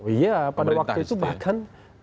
iya pada waktu itu bahkan